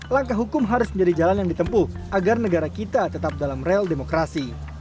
langkah hukum harus menjadi jalan yang ditempuh agar negara kita tetap dalam rel demokrasi